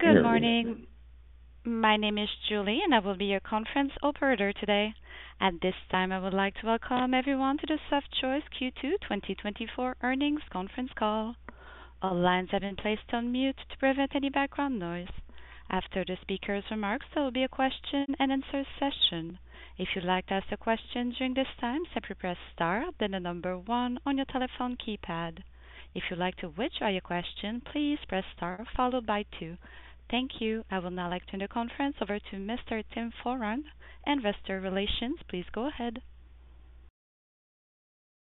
Good morning. My name is Julie, and I will be your conference operator today. At this time, I would like to welcome everyone to the Softchoice Q2 2024 earnings conference call. All lines have been placed on mute to prevent any background noise. After the speaker's remarks, there will be a question-and-answer session. If you'd like to ask a question during this time, simply press star, then the number one on your telephone keypad. If you'd like to withdraw your question, please press star followed by two. Thank you. I will now like to turn the conference over to Mr. Tim Foran, investor relations. Please go ahead.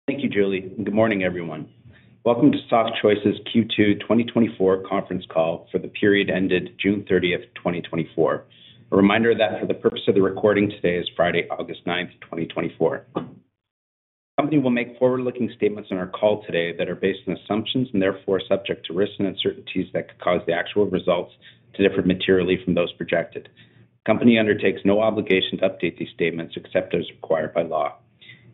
Thank you, Julie, and good morning, everyone. Welcome to Softchoice's Q2 2024 conference call for the period ended June 30th, 2024. A reminder that for the purpose of the recording, today is Friday, August 9, 2024. The company will make forward-looking statements on our call today that are based on assumptions and therefore subject to risks and uncertainties that could cause the actual results to differ materially from those projected. Company undertakes no obligation to update these statements, except as required by law.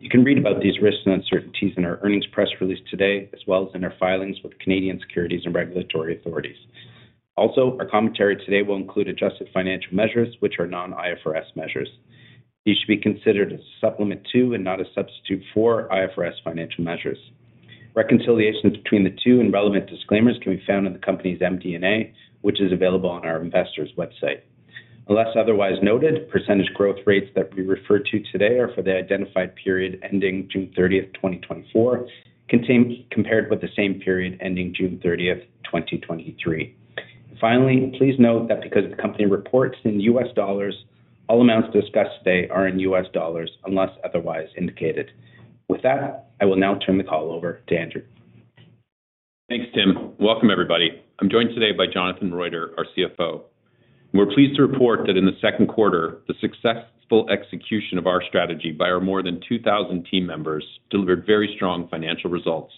You can read about these risks and uncertainties in our earnings press release today, as well as in our filings with Canadian securities and regulatory authorities. Also, our commentary today will include adjusted financial measures, which are non-IFRS measures. These should be considered as a supplement to and not a substitute for IFRS financial measures. Reconciliations between the two and relevant disclaimers can be found in the company's MD&A, which is available on our investors' website. Unless otherwise noted, percentage growth rates that we refer to today are for the identified period ending June 30th, 2024, compared with the same period ending June 30th, 2023. Finally, please note that because the company reports in U.S. dollars, all amounts discussed today are in U.S. dollars, unless otherwise indicated. With that, I will now turn the call over to Andrew. Thanks, Tim. Welcome, everybody. I'm joined today by Jonathan Roiter our CFO. We're pleased to report that in the second quarter, the successful execution of our strategy by our more than 2,000 team members delivered very strong financial results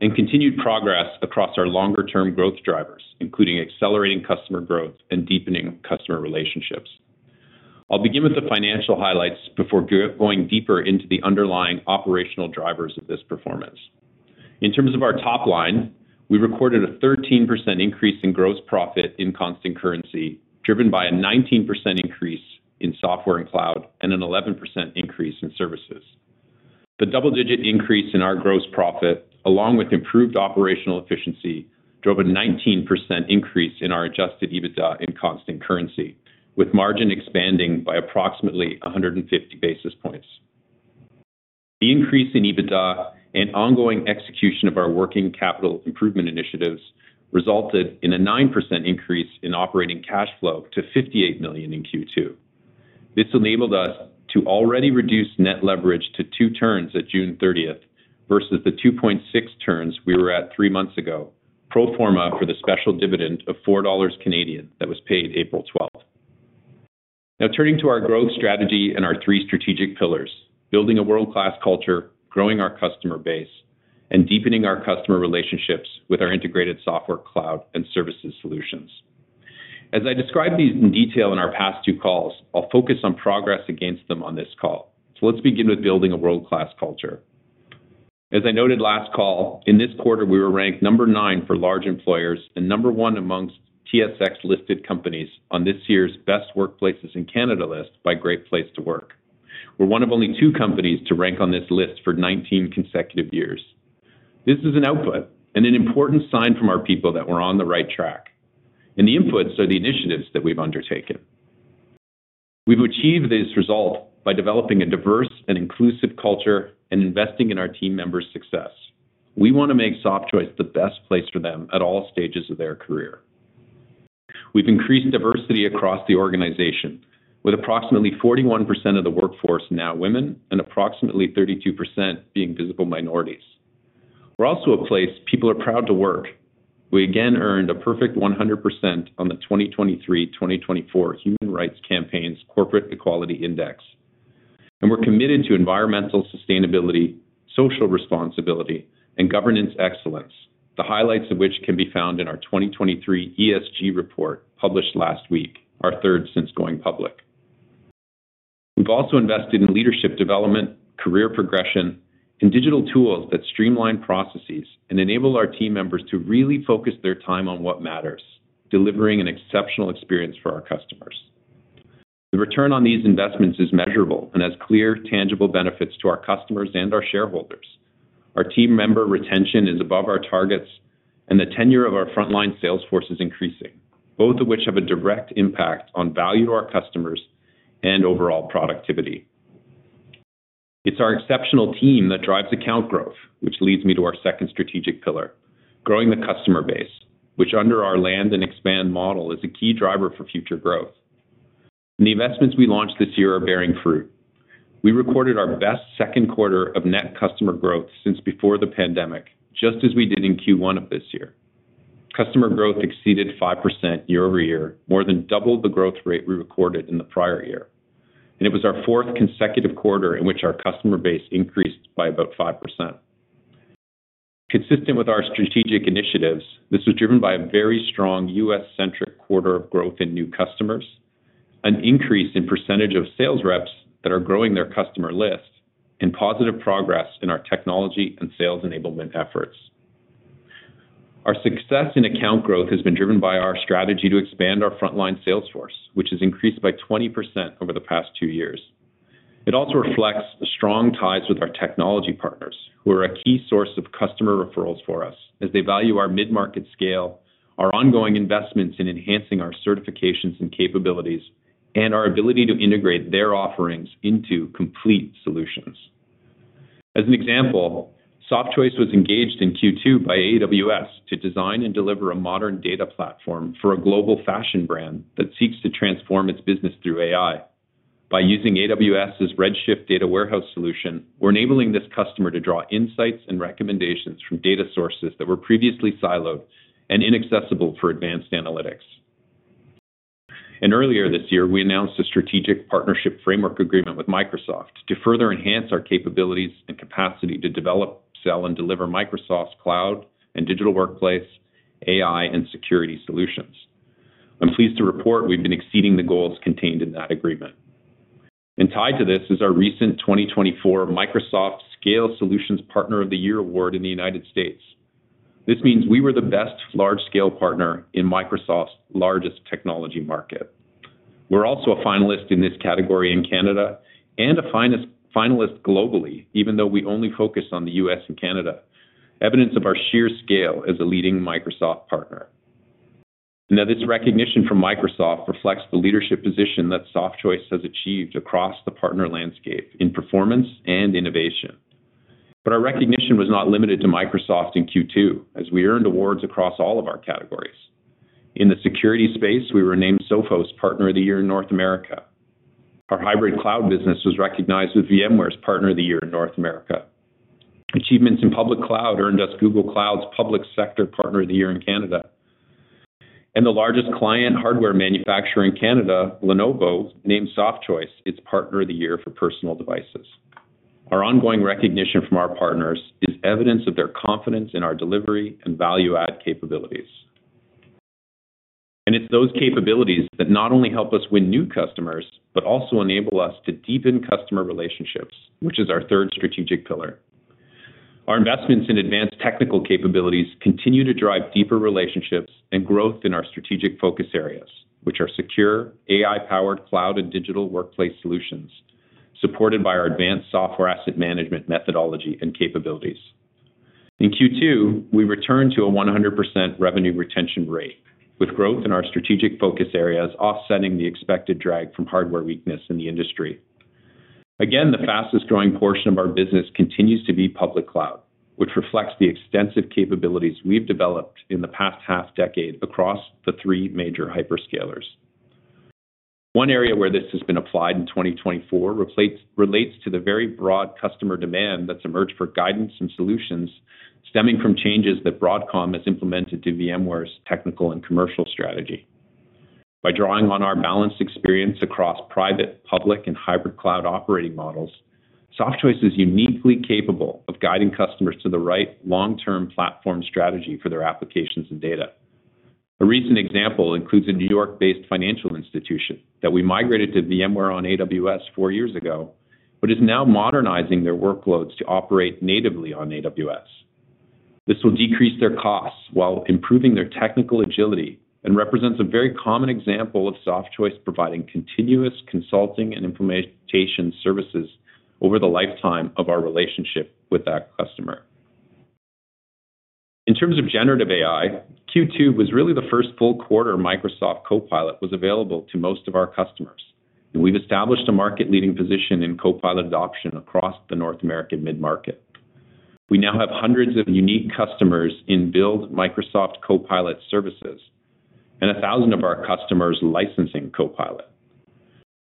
and continued progress across our longer-term growth drivers, including accelerating customer growth and deepening customer relationships. I'll begin with the financial highlights before going deeper into the underlying operational drivers of this performance. In terms of our top line, we recorded a 13% increase in gross profit in constant currency, driven by a 19% increase in software and cloud and an 11% increase in services. The double-digit increase in our gross profit, along with improved operational efficiency, drove a 19% increase in our Adjusted EBITDA in constant currency, with margin expanding by approximately 150 basis points. The increase in EBITDA and ongoing execution of our working capital improvement initiatives resulted in a 9% increase in operating cash flow to 58 million in Q2. This enabled us to already reduce net leverage to two turns at June 30th versus the 2.6 turns we were at three months ago, pro forma for the special dividend of 4 Canadian dollars that was paid April 12. Now, turning to our growth strategy and our three strategic pillars, building a world-class culture, growing our customer base, and deepening our customer relationships with our integrated software, cloud, and services solutions. As I described these in detail in our past two calls, I'll focus on progress against them on this call. So let's begin with building a world-class culture. As I noted last call, in this quarter, we were ranked number 9 for large employers and number 1 amongst TSX-listed companies on this year's Best Workplaces in Canada list by Great Place to Work. We're one of only two companies to rank on this list for 19 consecutive years. This is an output and an important sign from our people that we're on the right track, and the inputs are the initiatives that we've undertaken. We've achieved this result by developing a diverse and inclusive culture and investing in our team members' success. We want to make Softchoice the best place for them at all stages of their career. We've increased diversity across the organization, with approximately 41% of the workforce now women and approximately 32% being visible minorities. We're also a place people are proud to work. We again earned a perfect 100% on the 2023/2024 Human Rights Campaign's Corporate Equality Index, and we're committed to environmental sustainability, social responsibility, and governance excellence, the highlights of which can be found in our 2023 ESG report, published last week, our third since going public. We've also invested in leadership development, career progression, and digital tools that streamline processes and enable our team members to really focus their time on what matters, delivering an exceptional experience for our customers. The return on these investments is measurable and has clear, tangible benefits to our customers and our shareholders. Our team member retention is above our targets, and the tenure of our frontline sales force is increasing, both of which have a direct impact on value to our customers and overall productivity. It's our exceptional team that drives account growth, which leads me to our second strategic pillar, growing the customer base, which under our land and expand model, is a key driver for future growth. The investments we launched this year are bearing fruit. We recorded our best second quarter of net customer growth since before the pandemic, just as we did in Q1 of this year. Customer growth exceeded 5% year-over-year, more than double the growth rate we recorded in the prior year, and it was our fourth consecutive quarter in which our customer base increased by about 5%. Consistent with our strategic initiatives, this was driven by a very strong U.S.-centric quarter of growth in new customers, an increase in percentage of sales reps that are growing their customer list, and positive progress in our technology and sales enablement efforts. Our success in account growth has been driven by our strategy to expand our frontline sales force, which has increased by 20% over the past 2 years. It also reflects the strong ties with our technology partners, who are a key source of customer referrals for us, as they value our mid-market scale, our ongoing investments in enhancing our certifications and capabilities, and our ability to integrate their offerings into complete solutions. As an example, Softchoice was engaged in Q2 by AWS to design and deliver a modern data platform for a global fashion brand that seeks to transform its business through AI. By using AWS's Redshift data warehouse solution, we're enabling this customer to draw insights and recommendations from data sources that were previously siloed and inaccessible for advanced analytics. Earlier this year, we announced a strategic partnership framework agreement with Microsoft to further enhance our capabilities and capacity to develop, sell, and deliver Microsoft's cloud and digital workplace, AI, and security solutions. I'm pleased to report we've been exceeding the goals contained in that agreement. Tied to this is our recent 2024 Microsoft Scale Solutions Partner of the Year award in the United States. This means we were the best large-scale partner in Microsoft's largest technology market. We're also a finalist in this category in Canada and a finalist globally, even though we only focus on the U.S. and Canada, evidence of our sheer scale as a leading Microsoft partner. Now, this recognition from Microsoft reflects the leadership position that Softchoice has achieved across the partner landscape in performance and innovation. But our recognition was not limited to Microsoft in Q2, as we earned awards across all of our categories. In the security space, we were named Sophos Partner of the Year in North America. Our hybrid cloud business was recognized with VMware's Partner of the Year in North America. Achievements in public cloud earned us Google Cloud's Public Sector Partner of the Year in Canada. And the largest client hardware manufacturer in Canada, Lenovo, named Softchoice its Partner of the Year for personal devices. Our ongoing recognition from our partners is evidence of their confidence in our delivery and value-add capabilities. And it's those capabilities that not only help us win new customers, but also enable us to deepen customer relationships, which is our third strategic pillar. Our investments in advanced technical capabilities continue to drive deeper relationships and growth in our strategic focus areas, which are secure, AI-powered, cloud, and digital workplace solutions, supported by our advanced software asset management methodology and capabilities. In Q2, we returned to a 100% revenue retention rate, with growth in our strategic focus areas offsetting the expected drag from hardware weakness in the industry. Again, the fastest-growing portion of our business continues to be public cloud, which reflects the extensive capabilities we've developed in the past half decade across the three major hyperscalers. One area where this has been applied in 2024 relates to the very broad customer demand that's emerged for guidance and solutions stemming from changes that Broadcom has implemented to VMware's technical and commercial strategy. By drawing on our balanced experience across private, public, and hybrid cloud operating models, Softchoice is uniquely capable of guiding customers to the right long-term platform strategy for their applications and data. A recent example includes a New York-based financial institution that we migrated to VMware on AWS 4 years ago, but is now modernizing their workloads to operate natively on AWS. This will decrease their costs while improving their technical agility, and represents a very common example of Softchoice providing continuous consulting and implementation services over the lifetime of our relationship with that customer. In terms of generative AI, Q2 was really the first full quarter Microsoft Copilot was available to most of our customers, and we've established a market-leading position in Copilot adoption across the North American mid-market. We now have hundreds of unique customers in build Microsoft Copilot services, and 1,000 of our customers licensing Copilot.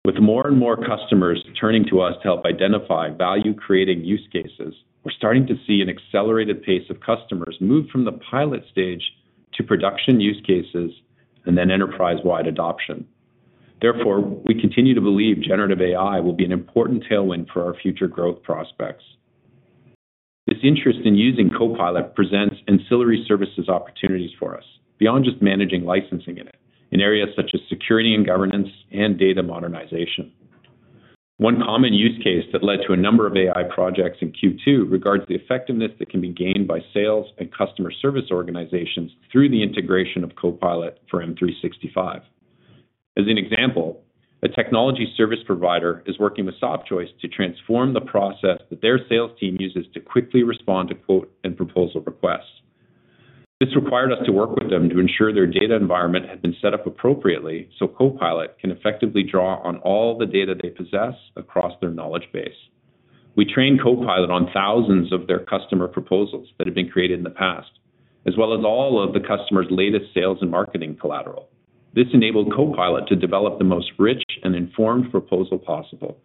With more and more customers turning to us to help identify value-creating use cases, we're starting to see an accelerated pace of customers move from the pilot stage to production use cases, and then enterprise-wide adoption. Therefore, we continue to believe generative AI will be an important tailwind for our future growth prospects. This interest in using Copilot presents ancillary services opportunities for us, beyond just managing licensing in it, in areas such as security and governance and data modernization. One common use case that led to a number of AI projects in Q2 regards the effectiveness that can be gained by sales and customer service organizations through the integration of Copilot for M365. As an example, a technology service provider is working with Softchoice to transform the process that their sales team uses to quickly respond to quote and proposal requests. This required us to work with them to ensure their data environment had been set up appropriately, so Copilot can effectively draw on all the data they possess across their knowledge base. We trained Copilot on thousands of their customer proposals that have been created in the past, as well as all of the customer's latest sales and marketing collateral. This enabled Copilot to develop the most rich and informed proposal possible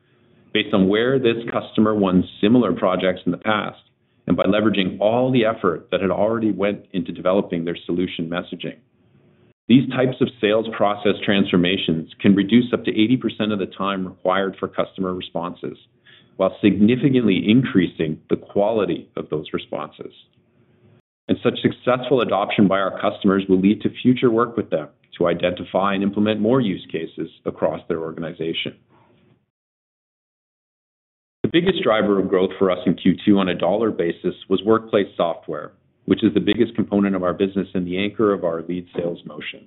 based on where this customer won similar projects in the past, and by leveraging all the effort that had already went into developing their solution messaging. These types of sales process transformations can reduce up to 80% of the time required for customer responses, while significantly increasing the quality of those responses... and such successful adoption by our customers will lead to future work with them to identify and implement more use cases across their organization. The biggest driver of growth for us in Q2 on a dollar basis was workplace software, which is the biggest component of our business and the anchor of our lead sales motion.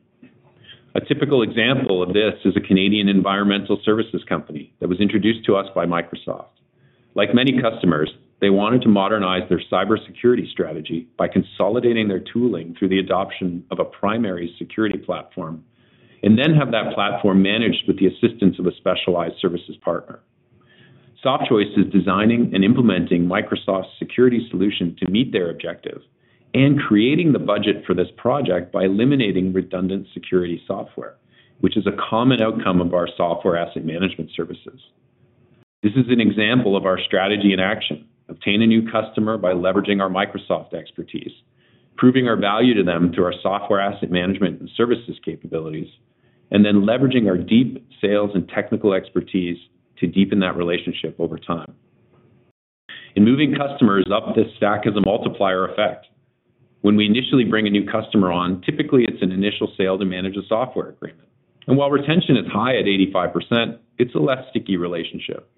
A typical example of this is a Canadian environmental services company that was introduced to us by Microsoft. Like many customers, they wanted to modernize their cybersecurity strategy by consolidating their tooling through the adoption of a primary security platform, and then have that platform managed with the assistance of a specialized services partner. Softchoice is designing and implementing Microsoft's security solution to meet their objective and creating the budget for this project by eliminating redundant security software, which is a common outcome of our software asset management services. This is an example of our strategy in action: obtain a new customer by leveraging our Microsoft expertise, proving our value to them through our software asset management and services capabilities, and then leveraging our deep sales and technical expertise to deepen that relationship over time. In moving customers up this stack is a multiplier effect. When we initially bring a new customer on, typically it's an initial sale to manage a software agreement, and while retention is high at 85%, it's a less sticky relationship.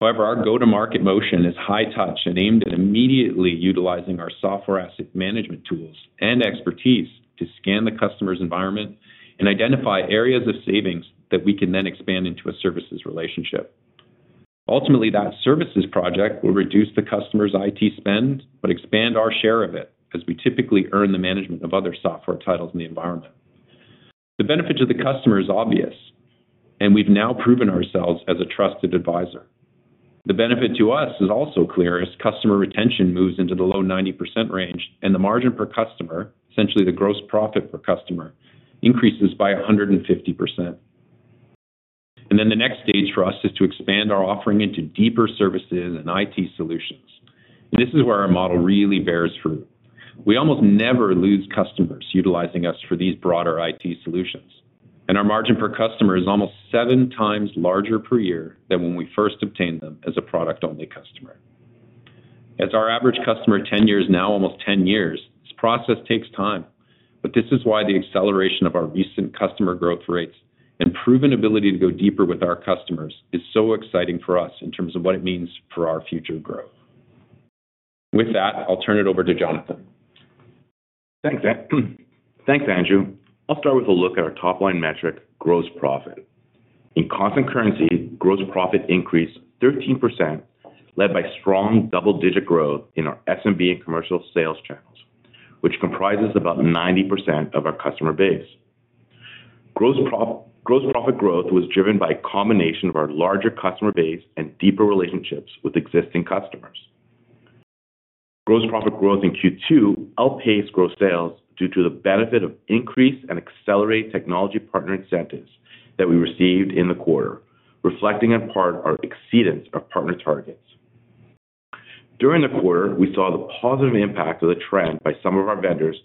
However, our go-to-market motion is high touch and aimed at immediately utilizing our software asset management tools and expertise to scan the customer's environment and identify areas of savings that we can then expand into a services relationship. Ultimately, that services project will reduce the customer's IT spend, but expand our share of it, as we typically earn the management of other software titles in the environment. The benefit to the customer is obvious, and we've now proven ourselves as a trusted advisor. The benefit to us is also clear, as customer retention moves into the low 90% range, and the margin per customer, essentially the gross profit per customer, increases by 150%. And then the next stage for us is to expand our offering into deeper services and IT solutions. This is where our model really bears fruit. We almost never lose customers utilizing us for these broader IT solutions, and our margin per customer is almost 7 times larger per year than when we first obtained them as a product-only customer. As our average customer tenure is now almost 10 years, this process takes time, but this is why the acceleration of our recent customer growth rates and proven ability to go deeper with our customers is so exciting for us in terms of what it means for our future growth. With that, I'll turn it over to Jonathan. Thanks, Andrew. I'll start with a look at our top-line metric, gross profit. In constant currency, gross profit increased 13%, led by strong double-digit growth in our SMB and commercial sales channels, which comprises about 90% of our customer base. Gross profit growth was driven by a combination of our larger customer base and deeper relationships with existing customers. Gross profit growth in Q2 outpaced gross sales due to the benefit of increase and accelerate technology partner incentives that we received in the quarter, reflecting on part our exceedance of partner targets. During the quarter, we saw the positive impact of the trend by some of our vendors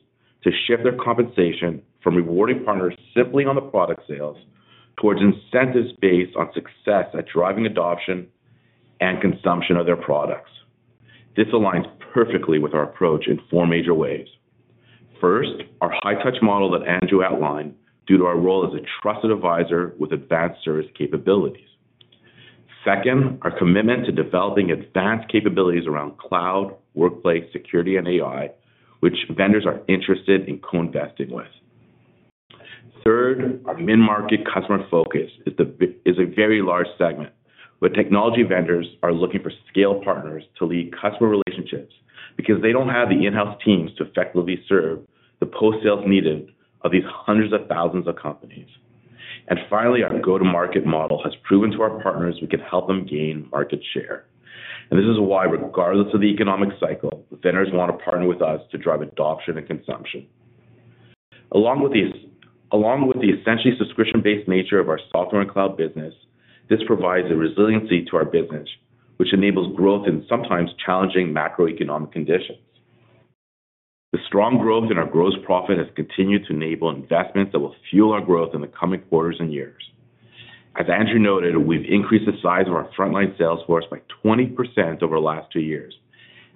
to shift their compensation from rewarding partners simply on the product sales, towards incentives based on success at driving adoption and consumption of their products. This aligns perfectly with our approach in four major ways. First, our high touch model that Andrew outlined, due to our role as a trusted advisor with advanced service capabilities. Second, our commitment to developing advanced capabilities around cloud, workplace, security, and AI, which vendors are interested in co-investing with. Third, our mid-market customer focus is a very large segment, where technology vendors are looking for scale partners to lead customer relationships because they don't have the in-house teams to effectively serve the post-sales needs of these hundreds of thousands of companies. And finally, our go-to-market model has proven to our partners we can help them gain market share. And this is why, regardless of the economic cycle, vendors want to partner with us to drive adoption and consumption. Along with these, along with the essentially subscription-based nature of our software and cloud business, this provides a resiliency to our business, which enables growth in sometimes challenging macroeconomic conditions. The strong growth in our gross profit has continued to enable investments that will fuel our growth in the coming quarters and years. As Andrew noted, we've increased the size of our frontline sales force by 20% over the last 2 years,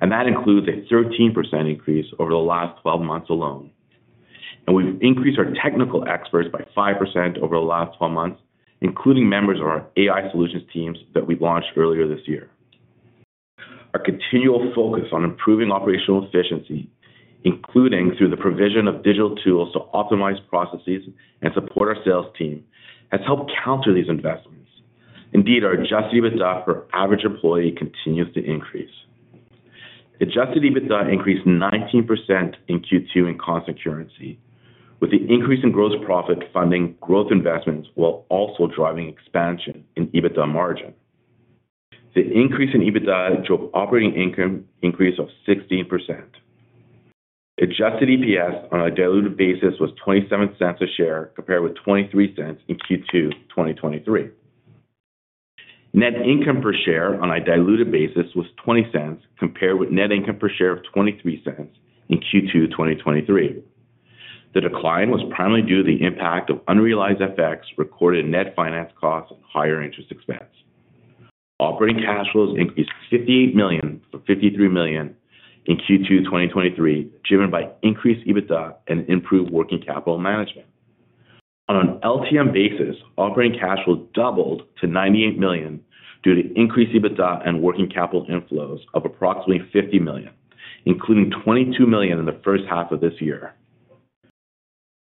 and that includes a 13% increase over the last 12 months alone. We've increased our technical experts by 5% over the last 12 months, including members of our AI solutions teams that we launched earlier this year. Our continual focus on improving operational efficiency, including through the provision of digital tools to optimize processes and support our sales team, has helped counter these investments. Indeed, our Adjusted EBITDA per average employee continues to increase. Adjusted EBITDA increased 19% in Q2 in constant currency, with the increase in gross profit funding growth investments while also driving expansion in EBITDA margin. The increase in EBITDA drove operating income increase of 16%. Adjusted EPS on a diluted basis was 0.27 a share, compared with 0.23 in Q2 2023. Net income per share on a diluted basis was 0.20, compared with net income per share of 0.23 in Q2 2023. The decline was primarily due to the impact of unrealized FX, recorded net finance costs, and higher interest expense. Operating cash flows increased 58 million from 53 million in Q2 2023, driven by increased EBITDA and improved working capital management. On an LTM basis, operating cash flow doubled to 98 million due to increased EBITDA and working capital inflows of approximately 50 million, including 22 million in the first half of this year.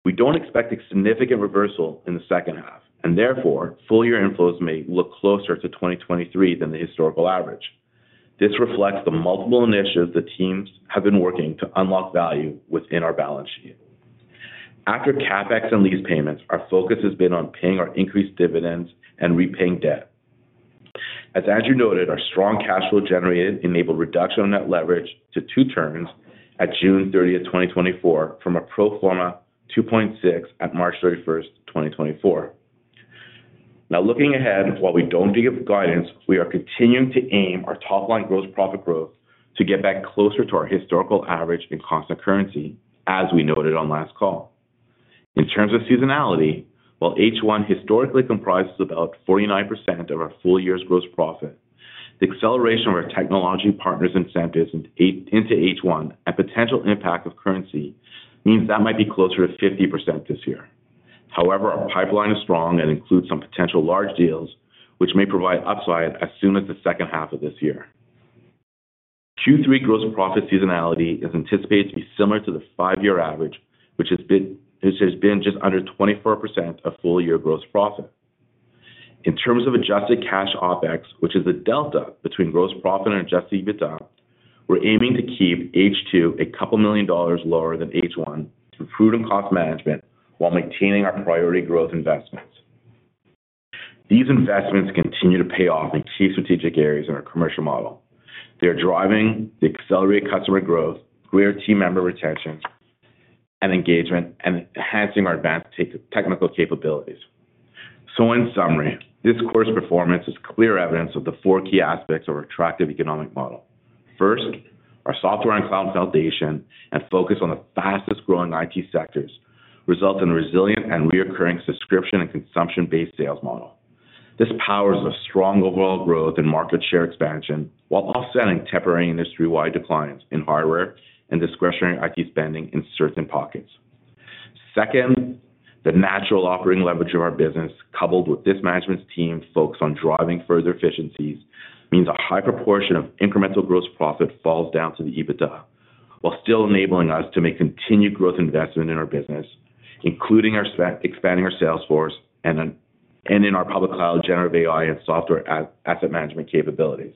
We don't expect a significant reversal in the second half, and therefore, full year inflows may look closer to 2023 than the historical average. This reflects the multiple initiatives the teams have been working to unlock value within our balance sheet. After CapEx and lease payments, our focus has been on paying our increased dividends and repaying debt. As Andrew noted, our strong cash flow generated enabled reduction on net leverage to 2.0x at June 30th, 2024, from a pro forma 2.6x at March 31st, 2024. Now, looking ahead, while we don't give guidance, we are continuing to aim our top line gross profit growth to get back closer to our historical average in constant currency, as we noted on last call. In terms of seasonality, while H1 historically comprises about 49% of our full year's gross profit, the acceleration of our technology partners incentives into H1 and potential impact of currency means that might be closer to 50% this year. However, our pipeline is strong and includes some potential large deals, which may provide upside as soon as the second half of this year. Q3 gross profit seasonality is anticipated to be similar to the 5-year average, which has been just under 24% of full year gross profit. In terms of adjusted cash OpEx, which is the delta between gross profit and Adjusted EBITDA, we're aiming to keep H2 a couple million dollars lower than H1 through prudent cost management while maintaining our priority growth investments. These investments continue to pay off in key strategic areas in our commercial model. They are driving the accelerated customer growth, career team member retention and engagement, and enhancing our advanced technical capabilities. So in summary, this quarter's performance is clear evidence of the four key aspects of our attractive economic model. First, our software and cloud foundation and focus on the fastest growing IT sectors result in a resilient and recurring subscription and consumption-based sales model. This powers a strong overall growth and market share expansion, while offsetting temporary industry-wide declines in hardware and discretionary IT spending in certain pockets. Second, the natural operating leverage of our business, coupled with this management team's focus on driving further efficiencies, means a high proportion of incremental gross profit falls down to the EBITDA, while still enabling us to make continued growth investment in our business, including expanding our sales force and in our public cloud, generative AI, and software asset management capabilities.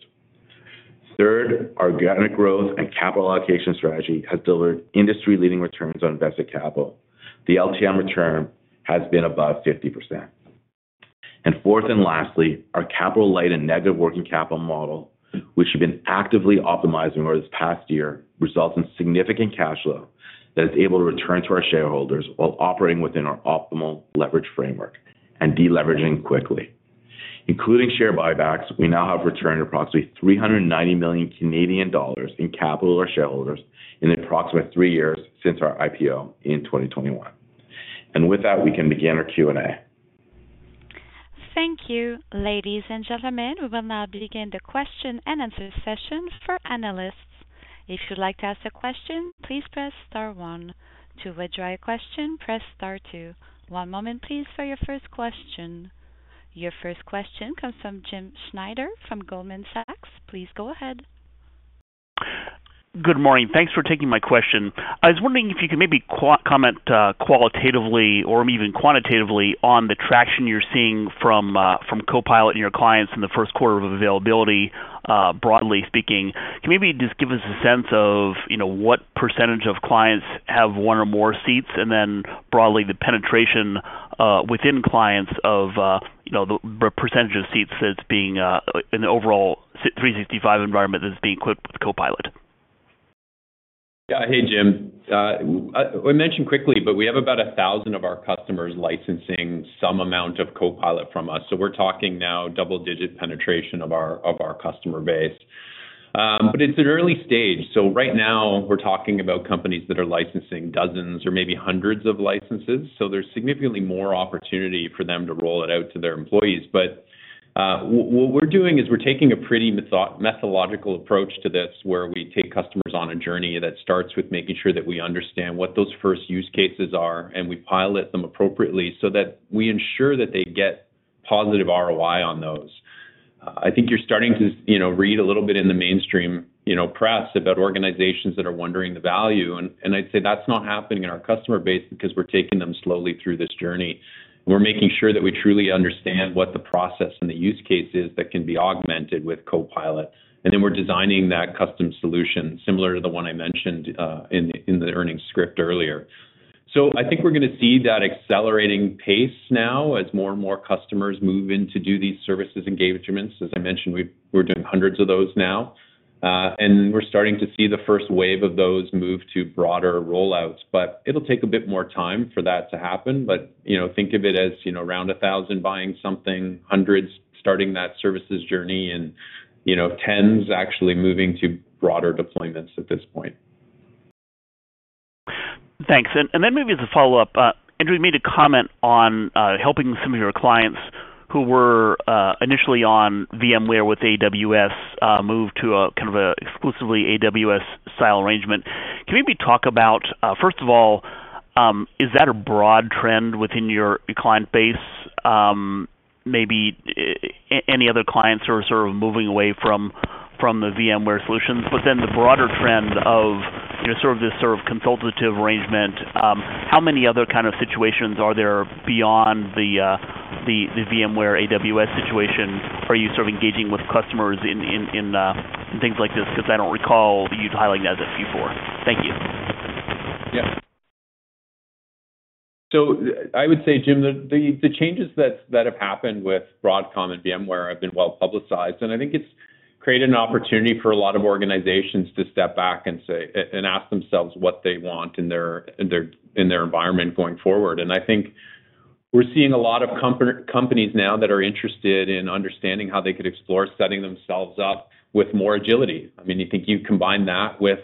Third, our organic growth and capital allocation strategy has delivered industry-leading returns on invested capital. The LTM return has been above 50%. And fourth and lastly, our capital light and negative working capital model, which we've been actively optimizing over this past year, results in significant cash flow that is able to return to our shareholders while operating within our optimal leverage framework and deleveraging quickly. Including share buybacks, we now have returned approximately 390 million Canadian dollars in capital to our shareholders in the approximately 3 years since our IPO in 2021. With that, we can begin our Q&A. Thank you. Ladies and gentlemen, we will now begin the question and answer session for analysts. If you'd like to ask a question, please press star one. To withdraw your question, press star two. One moment please, for your first question. Your first question comes from Jim Schneider from Goldman Sachs. Please go ahead. Good morning. Thanks for taking my question. I was wondering if you could maybe comment, qualitatively or even quantitatively, on the traction you're seeing from Copilot and your clients in the first quarter of availability, broadly speaking. Can you maybe just give us a sense of, you know, what percentage of clients have one or more seats? And then broadly, the penetration within clients of, you know, the percentage of seats that's being in the overall 365 environment that's being equipped with Copilot. Yeah. Hey, Jim. I mentioned quickly, but we have about 1,000 of our customers licensing some amount of Copilot from us, so we're talking now double-digit penetration of our customer base. But it's an early stage. So right now we're talking about companies that are licensing dozens or maybe hundreds of licenses, so there's significantly more opportunity for them to roll it out to their employees. But what we're doing is we're taking a pretty methodological approach to this, where we take customers on a journey that starts with making sure that we understand what those first use cases are, and we pilot them appropriately so that we ensure that they get positive ROI on those. I think you're starting to, you know, read a little bit in the mainstream, you know, press about organizations that are wondering the value, and, and I'd say that's not happening in our customer base because we're taking them slowly through this journey. We're making sure that we truly understand what the process and the use case is that can be augmented with Copilot, and then we're designing that custom solution, similar to the one I mentioned, in, in the earnings script earlier. So I think we're going to see that accelerating pace now as more and more customers move in to do these services engagements. As I mentioned, we're doing hundreds of those now, and we're starting to see the first wave of those move to broader rollouts. But it'll take a bit more time for that to happen. But, you know, think of it as, you know, around 1,000 buying something, hundreds starting that services journey and, you know, tens actually moving to broader deployments at this point.... Thanks. And then maybe as a follow-up, Andrew, you made a comment on helping some of your clients who were initially on VMware with AWS move to a kind of exclusively AWS style arrangement. Can you maybe talk about first of all, is that a broad trend within your client base? Maybe any other clients who are sort of moving away from the VMware solutions? But then the broader trend of, you know, sort of this sort of consultative arrangement, how many other kind of situations are there beyond the VMware AWS situation? Are you sort of engaging with customers in things like this? Because I don't recall you highlighting that a few before. Thank you. Yeah. So I would say, Jim, the changes that have happened with Broadcom and VMware have been well-publicized, and I think it's created an opportunity for a lot of organizations to step back and say, and ask themselves what they want in their environment going forward. And I think we're seeing a lot of companies now that are interested in understanding how they could explore setting themselves up with more agility. I mean, you think you combine that with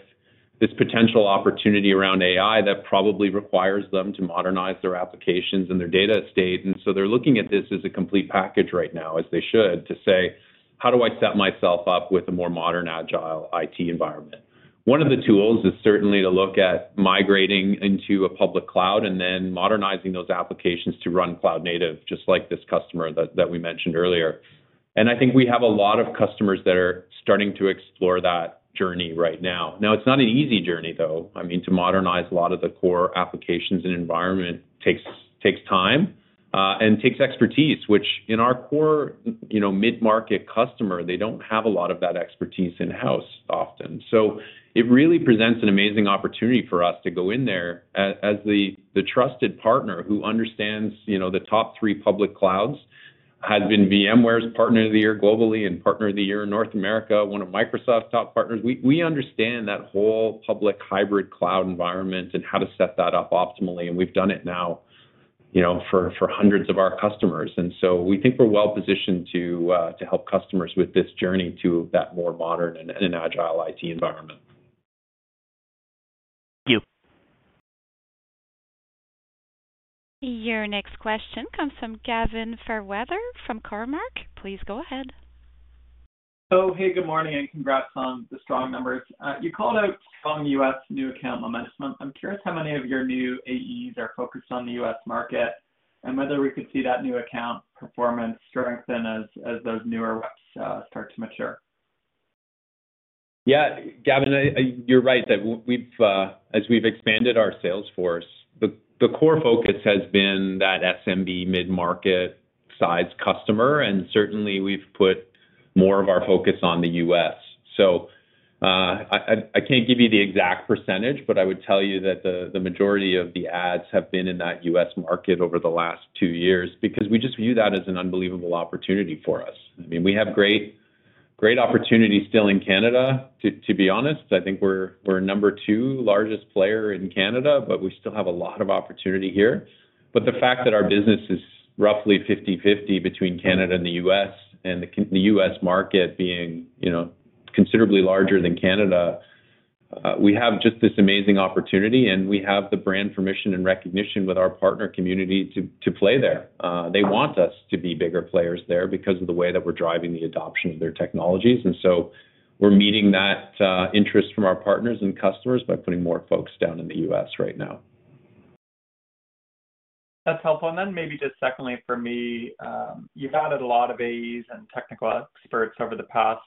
this potential opportunity around AI, that probably requires them to modernize their applications and their data estate, and so they're looking at this as a complete package right now, as they should, to say: How do I set myself up with a more modern, agile IT environment? One of the tools is certainly to look at migrating into a public cloud and then modernizing those applications to run cloud native, just like this customer that we mentioned earlier. And I think we have a lot of customers that are starting to explore that journey right now. Now, it's not an easy journey, though. I mean, to modernize a lot of the core applications and environment takes time and takes expertise, which in our core, you know, mid-market customer, they don't have a lot of that expertise in-house often. So it really presents an amazing opportunity for us to go in there as the trusted partner who understands, you know, the top three public clouds, has been VMware's Partner of the Year globally and Partner of the Year in North America, one of Microsoft's top partners. We understand that whole public hybrid cloud environment and how to set that up optimally, and we've done it now, you know, for hundreds of our customers. And so we think we're well positioned to help customers with this journey to that more modern and agile IT environment. Thank you. Your next question comes from Gavin Fairweather from Cormark. Please go ahead. Hey, good morning, and congrats on the strong numbers. You called out strong U.S. new account momentum. I'm curious how many of your new AEs are focused on the U.S. market, and whether we could see that new account performance strengthen as those newer reps start to mature. Yeah, Gavin, you're right, that we've, as we've expanded our sales force, the core focus has been that SMB mid-market size customer, and certainly we've put more of our focus on the U.S. So, I can't give you the exact percentage, but I would tell you that the majority of the ads have been in that U.S. market over the last two years, because we just view that as an unbelievable opportunity for us. I mean, we have great, great opportunity still in Canada, to be honest. I think we're number two largest player in Canada, but we still have a lot of opportunity here. But the fact that our business is roughly 50/50 between Canada and the U.S., and the U.S. market being, you know, considerably larger than Canada, we have just this amazing opportunity, and we have the brand permission and recognition with our partner community to play there. They want us to be bigger players there because of the way that we're driving the adoption of their technologies. And so we're meeting that interest from our partners and customers by putting more folks down in the U.S. right now. That's helpful. And then maybe just secondly, for me, you've added a lot of AEs and technical experts over the past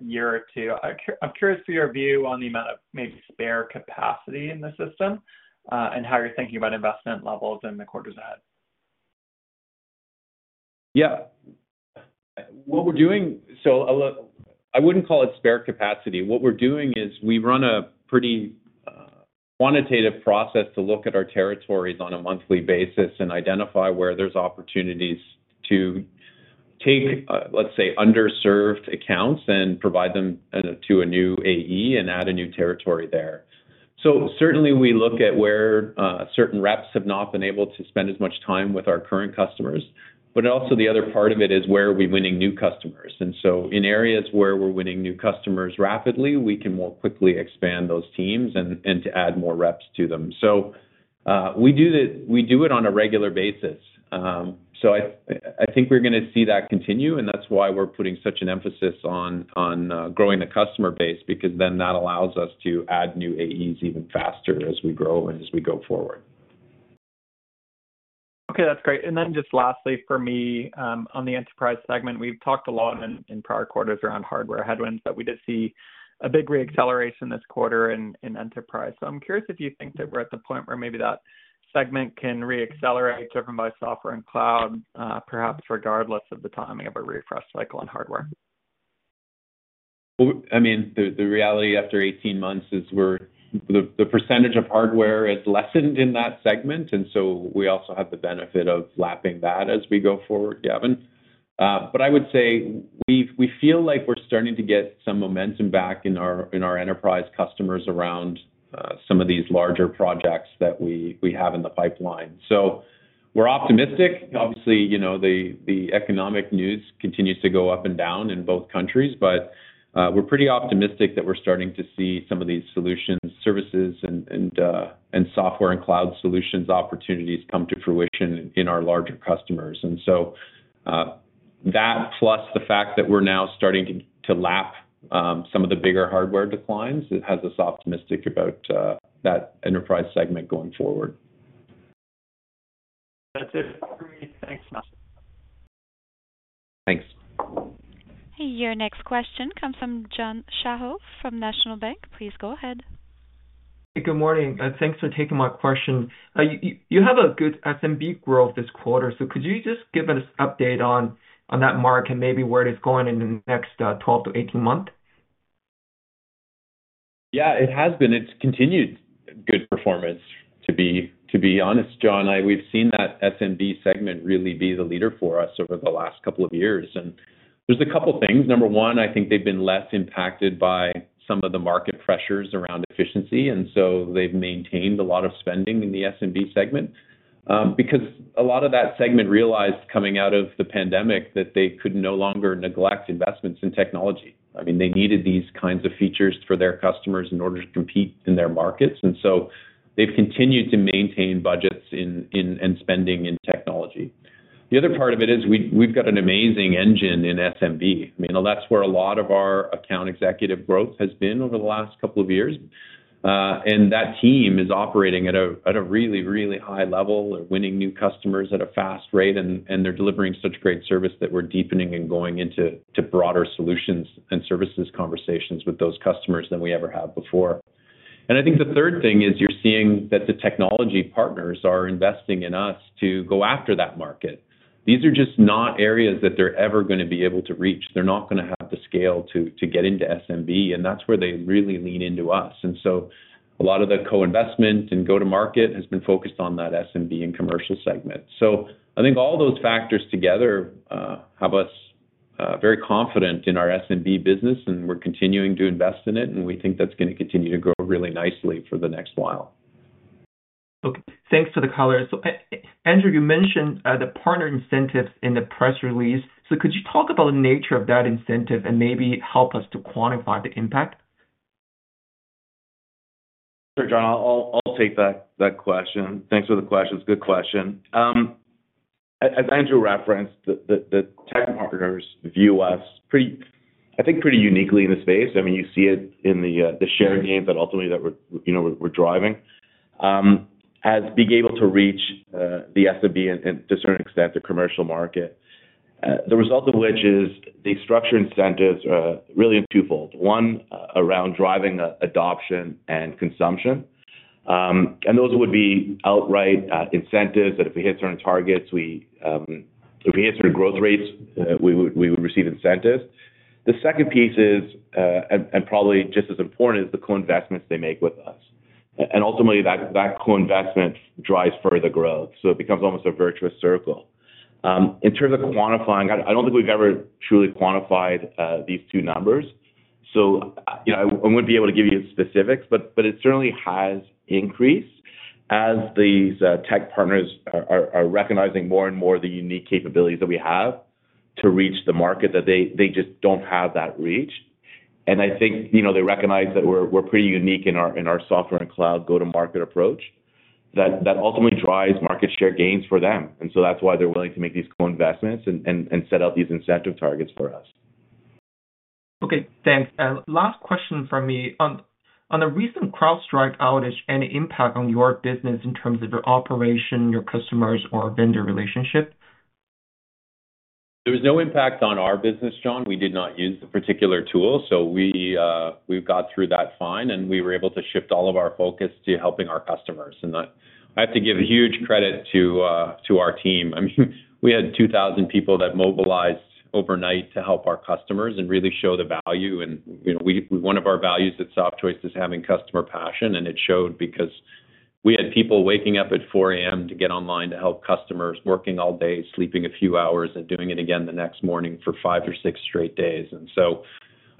year or two. I'm curious for your view on the amount of maybe spare capacity in the system, and how you're thinking about investment levels in the quarters ahead. Yeah. What we're doing... So I wouldn't call it spare capacity. What we're doing is we run a pretty quantitative process to look at our territories on a monthly basis and identify where there's opportunities to take, let's say, underserved accounts and provide them to a new AE and add a new territory there. So certainly, we look at where certain reps have not been able to spend as much time with our current customers, but also the other part of it is where are we winning new customers? And so in areas where we're winning new customers rapidly, we can more quickly expand those teams and to add more reps to them. So, we do it on a regular basis. So I think we're going to see that continue, and that's why we're putting such an emphasis on growing the customer base, because then that allows us to add new AEs even faster as we grow and as we go forward. Okay, that's great. And then just lastly, for me, on the enterprise segment, we've talked a lot in prior quarters around hardware headwinds, but we did see a big re-acceleration this quarter in enterprise. So I'm curious if you think that we're at the point where maybe that segment can re-accelerate, driven by software and cloud, perhaps regardless of the timing of a refresh cycle on hardware. Well, I mean, the reality after 18 months is we're the percentage of hardware has lessened in that segment, and so we also have the benefit of lapping that as we go forward, Gavin. But I would say we feel like we're starting to get some momentum back in our enterprise customers around some of these larger projects that we have in the pipeline. We're optimistic. Obviously, you know, the economic news continues to go up and down in both countries, but we're pretty optimistic that we're starting to see some of these solutions, services, and software and cloud solutions opportunities come to fruition in our larger customers. And so, that plus the fact that we're now starting to lap some of the bigger hardware declines, it has us optimistic about that enterprise segment going forward. That's it for me. Thanks, guys. Thanks. Hey, your next question comes from John Shao from National Bank. Please go ahead. Good morning, and thanks for taking my question. You have a good SMB growth this quarter, so could you just give us update on that market and maybe where it's going in the next 12-18 months? Yeah, it has been. It's continued good performance, to be honest, John. We've seen that SMB segment really be the leader for us over the last couple of years, and there's a couple things. Number one, I think they've been less impacted by some of the market pressures around efficiency, and so they've maintained a lot of spending in the SMB segment. Because a lot of that segment realized coming out of the pandemic, that they could no longer neglect investments in technology. I mean, they needed these kinds of features for their customers in order to compete in their markets. And so they've continued to maintain budgets in and spending in technology. The other part of it is we've got an amazing engine in SMB. I mean, that's where a lot of our account executive growth has been over the last couple of years. And that team is operating at a really, really high level of winning new customers at a fast rate, and they're delivering such great service that we're deepening and going into broader solutions and services conversations with those customers than we ever have before. And I think the third thing is you're seeing that the technology partners are investing in us to go after that market. These are just not areas that they're ever gonna be able to reach. They're not gonna have the scale to get into SMB, and that's where they really lean into us. And so a lot of the co-investment and go-to-market has been focused on that SMB and commercial segment. So I think all those factors together have us very confident in our SMB business, and we're continuing to invest in it, and we think that's gonna continue to grow really nicely for the next while. Okay, thanks for the color. So, Andrew, you mentioned the partner incentives in the press release. So could you talk about the nature of that incentive and maybe help us to quantify the impact? Sure, John, I'll take that question. Thanks for the question. It's a good question. As Andrew referenced, the tech partners view us pretty—I think, pretty uniquely in the space. I mean, you see it in the share gains that ultimately we're, you know, we're driving, as being able to reach the SMB and, to a certain extent, the commercial market. The result of which is the structured incentives are really twofold. One, around driving adoption and consumption. And those would be outright incentives, that if we hit certain targets, we, if we hit certain growth rates, we would receive incentives. The second piece is, and probably just as important, is the co-investments they make with us, and ultimately, that co-investment drives further growth, so it becomes almost a virtuous circle. In terms of quantifying, I don't think we've ever truly quantified these two numbers. So, you know, I wouldn't be able to give you specifics, but it certainly has increased as these tech partners are recognizing more and more the unique capabilities that we have to reach the market, that they just don't have that reach. And I think, you know, they recognize that we're pretty unique in our software and cloud go-to-market approach, that ultimately drives market share gains for them. And so that's why they're willing to make these co-investments and set out these incentive targets for us. Okay, thanks. Last question from me. On the recent CrowdStrike outage, any impact on your business in terms of your operation, your customers, or vendor relationship? There was no impact on our business, John. We did not use the particular tool, so we've got through that fine, and we were able to shift all of our focus to helping our customers. And I have to give huge credit to our team. I mean, we had 2,000 people that mobilized overnight to help our customers and really show the value. And, you know, one of our values at Softchoice is having customer passion, and it showed because we had people waking up at 4:00 A.M. to get online, to help customers, working all day, sleeping a few hours, and doing it again the next morning for 5 or 6 straight days. And so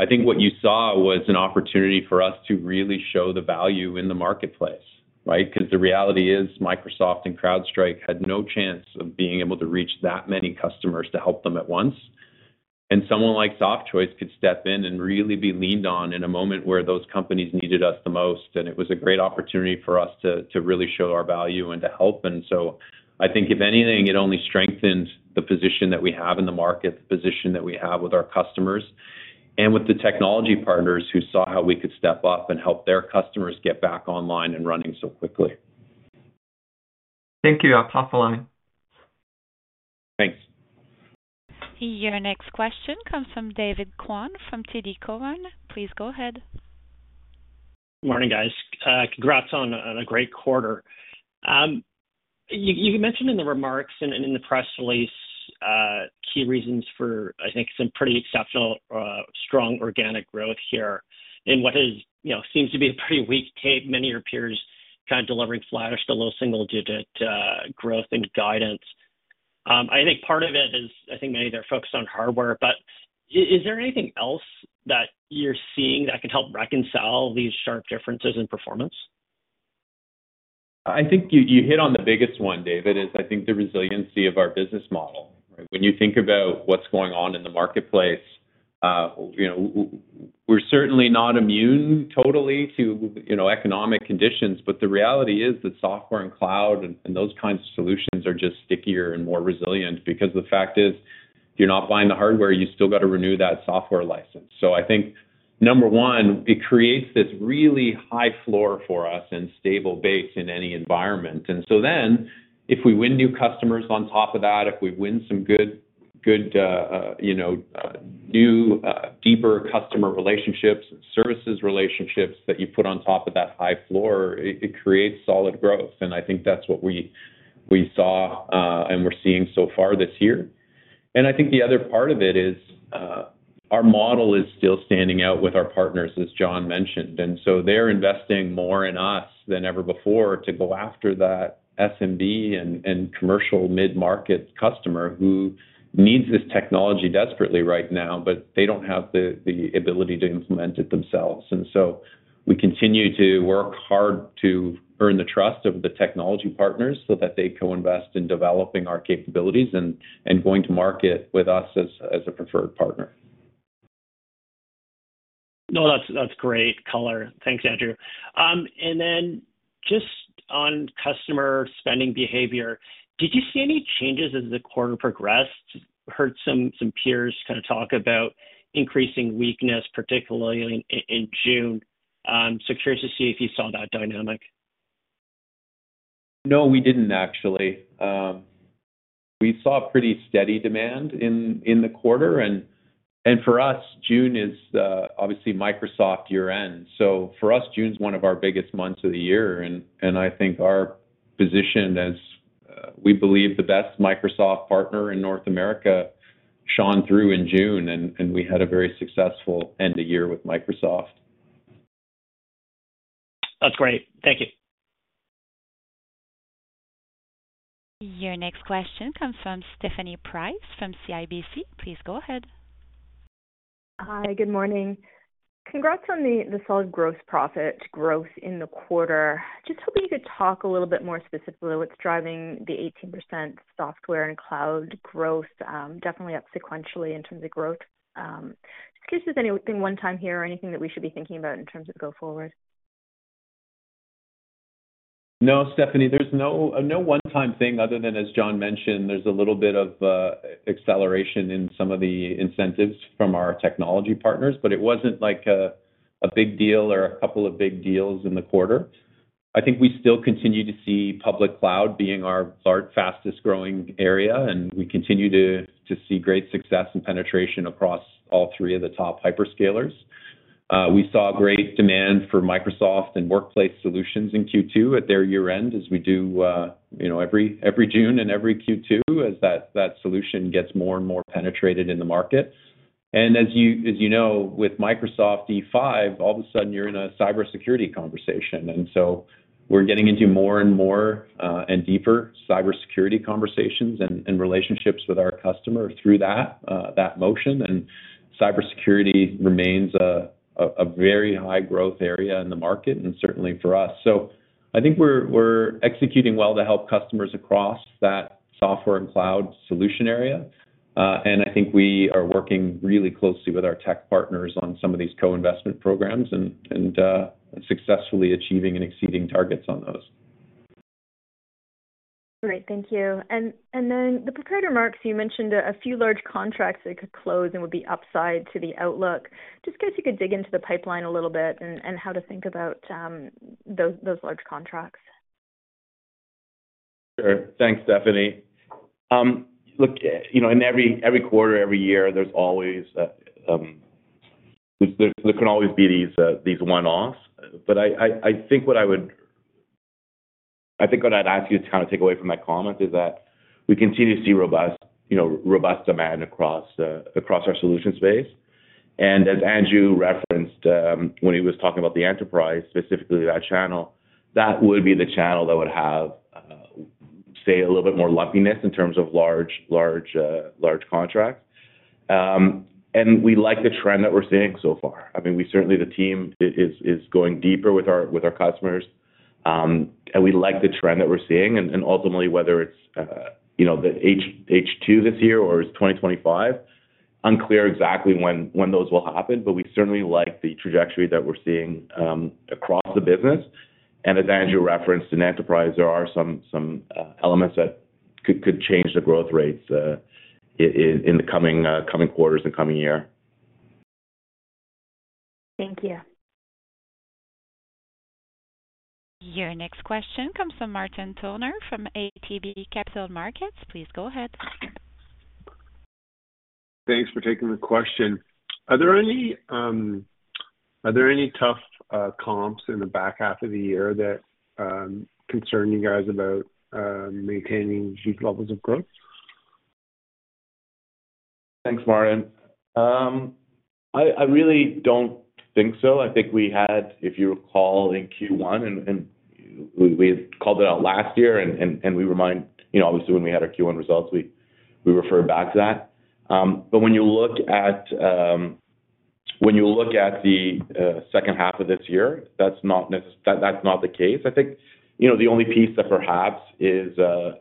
I think what you saw was an opportunity for us to really show the value in the marketplace, right? Because the reality is, Microsoft and CrowdStrike had no chance of being able to reach that many customers to help them at once. And someone like Softchoice could step in and really be leaned on in a moment where those companies needed us the most, and it was a great opportunity for us to really show our value and to help. And so I think if anything, it only strengthens the position that we have in the market, the position that we have with our customers, and with the technology partners who saw how we could step up and help their customers get back online and running so quickly. Thank you. I'll pass along. Thanks. Your next question comes from David Kwan from TD Cowen. Please go ahead. Morning, guys. Congrats on a great quarter. You mentioned in the remarks and in the press release key reasons for, I think, some pretty exceptional strong organic growth here in what is, you know, seems to be a pretty weak tape. Many of your peers kind of delivering flatish to low single-digit growth and guidance. ... I think part of it is, I think maybe they're focused on hardware, but is there anything else that you're seeing that can help reconcile these sharp differences in performance? I think you hit on the biggest one, David, is, I think, the resiliency of our business model. When you think about what's going on in the marketplace, you know, we're certainly not immune totally to, you know, economic conditions, but the reality is that software and cloud and those kinds of solutions are just stickier and more resilient. Because the fact is, if you're not buying the hardware, you still got to renew that software license. So I think, number one, it creates this really high floor for us and stable base in any environment. And so then, if we win new customers on top of that, if we win some good, you know, new, deeper customer relationships and services relationships that you put on top of that high floor, it creates solid growth. And I think that's what we saw, and we're seeing so far this year. And I think the other part of it is, our model is still standing out with our partners, as John mentioned, and so they're investing more in us than ever before to go after that SMB and commercial mid-market customer who needs this technology desperately right now, but they don't have the ability to implement it themselves. And so we continue to work hard to earn the trust of the technology partners so that they co-invest in developing our capabilities and going to market with us as a preferred partner. No, that's, that's great color. Thanks, Andrew. And then just on customer spending behavior, did you see any changes as the quarter progressed? Heard some peers kind of talk about increasing weakness, particularly in June. So curious to see if you saw that dynamic. No, we didn't, actually. We saw pretty steady demand in the quarter. And for us, June is obviously Microsoft year-end. So for us, June's one of our biggest months of the year, and I think our position as we believe, the best Microsoft partner in North America, shone through in June, and we had a very successful end of year with Microsoft. That's great. Thank you. Your next question comes from Stephanie Price from CIBC. Please go ahead. Hi, good morning. Congrats on the solid gross profit growth in the quarter. Just hoping you could talk a little bit more specifically what's driving the 18% software and cloud growth, definitely up sequentially in terms of growth. Just if there's anything one time here or anything that we should be thinking about in terms of go forward? No, Stephanie, there's no, no one-time thing, other than, as John mentioned, there's a little bit of acceleration in some of the incentives from our technology partners, but it wasn't like a big deal or a couple of big deals in the quarter. I think we still continue to see public cloud being our fastest growing area, and we continue to see great success and penetration across all three of the top hyperscalers. We saw great demand for Microsoft and Workplace solutions in Q2 at their year-end, as we do, you know, every June and every Q2, as that solution gets more and more penetrated in the market. And as you know, with Microsoft E5, all of a sudden you're in a cybersecurity conversation. And so we're getting into more and more, and deeper cybersecurity conversations and, and, relationships with our customer through that, that motion. And cybersecurity remains a very high growth area in the market and certainly for us. So I think we're executing well to help customers across that software and cloud solution area. And I think we are working really closely with our tech partners on some of these co-investment programs and, and, successfully achieving and exceeding targets on those. Great, thank you. And then the prepared remarks, you mentioned a few large contracts that could close and would be upside to the outlook. I guess you could dig into the pipeline a little bit and how to think about those large contracts? Sure. Thanks, Stephanie. Look, you know, in every quarter, every year, there's always. There can always be these one-offs. But I think what I would... I think what I'd ask you to kind of take away from my comment is that we continue to see robust, you know, robust demand across our solution space. And as Andrew referenced, when he was talking about the enterprise, specifically that channel, that would be the channel that would have, say, a little bit more lumpiness in terms of large contracts. And we like the trend that we're seeing so far. I mean, we certainly, the team is going deeper with our customers. And we like the trend that we're seeing. And ultimately, whether it's, you know, the H2 this year or it's 2025, unclear exactly when those will happen, but we certainly like the trajectory that we're seeing across the business. And as Andrew referenced, in enterprise, there are some elements that could change the growth rates in the coming quarters and coming year. Thank you. Your next question comes from Martin Toner from ATB Capital Markets. Please go ahead. Thanks for taking the question. Are there any tough comps in the back half of the year that concern you guys about maintaining steep levels of growth?... Thanks, Martin. I really don't think so. I think we had, if you recall, in Q1, and we had called it out last year, and we remind, you know, obviously, when we had our Q1 results, we referred back to that. But when you look at the second half of this year, that's not the case. I think, you know, the only piece that perhaps is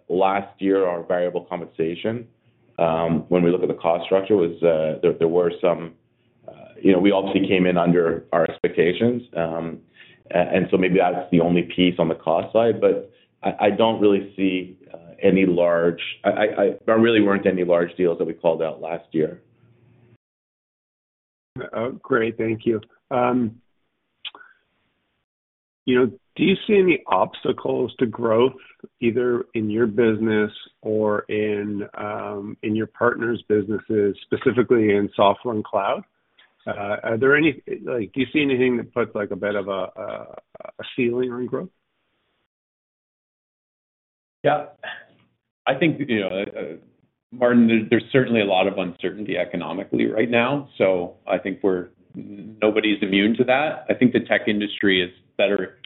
last year, our variable compensation, when we look at the cost structure, was. There were some. You know, we obviously came in under our expectations. And so maybe that's the only piece on the cost side, but I don't really see. There really weren't any large deals that we called out last year. Great. Thank you. You know, do you see any obstacles to growth, either in your business or in, in your partners' businesses, specifically in software and cloud? Are there any, like, do you see anything that puts, like, a bit of a ceiling on growth? Yeah. I think, you know, Martin, there's certainly a lot of uncertainty economically right now, so I think we're, nobody's immune to that. I think the tech industry is better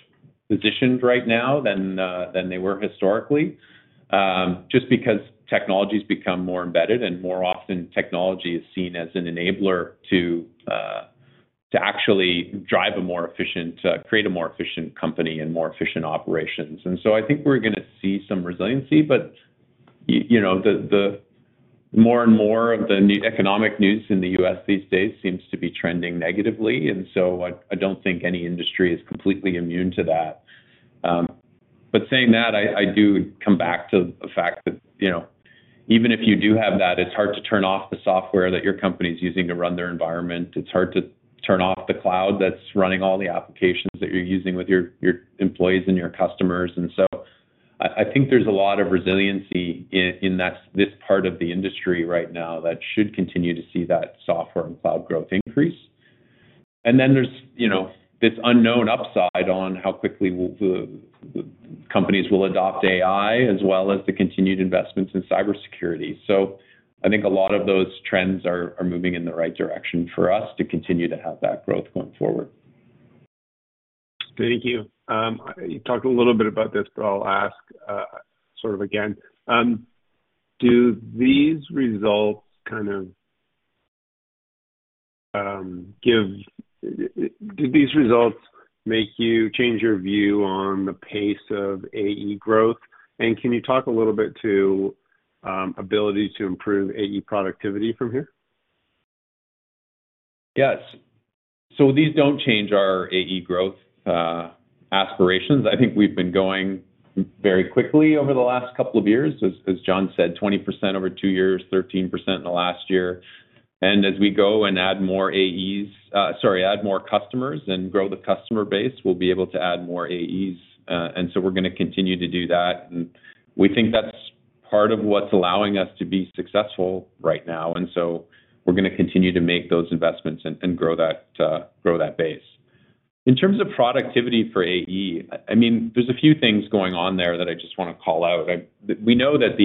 positioned right now than they were historically, just because technology's become more embedded, and more often, technology is seen as an enabler to actually drive a more efficient, create a more efficient company and more efficient operations. And so I think we're gonna see some resiliency, but you know, the more and more of the economic news in the U.S. these days seems to be trending negatively, and so I don't think any industry is completely immune to that. But saying that, I do come back to the fact that, you know, even if you do have that, it's hard to turn off the software that your company's using to run their environment. It's hard to turn off the cloud that's running all the applications that you're using with your employees and your customers. And so I think there's a lot of resiliency in this part of the industry right now that should continue to see that software and cloud growth increase. And then there's, you know, this unknown upside on how quickly the companies will adopt AI, as well as the continued investments in cybersecurity. So I think a lot of those trends are moving in the right direction for us to continue to have that growth going forward. Thank you. You talked a little bit about this, but I'll ask, sort of again. Do these results make you change your view on the pace of AE growth? And can you talk a little bit to ability to improve AE productivity from here? Yes. So these don't change our AE growth aspirations. I think we've been going very quickly over the last couple of years. As John said, 20% over two years, 13% in the last year. And as we go and add more AEs, sorry, add more customers and grow the customer base, we'll be able to add more AEs. And so we're gonna continue to do that, and we think that's part of what's allowing us to be successful right now, and so we're gonna continue to make those investments and grow that, grow that base. In terms of productivity for AE, I mean, there's a few things going on there that I just wanna call out. We know that